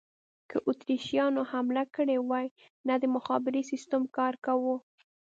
که اتریشیانو حمله کړې وای، نه د مخابرې سیسټم کار کاوه.